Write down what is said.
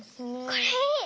これいい！